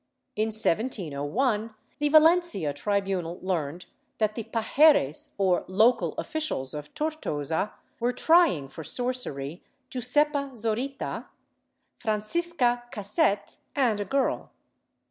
In 1701, the Valencia tribunal learned that the paheres, or local officials of Tortosa, were trying for sorcery Jusepa Zorita, Francisca Caset and a girl.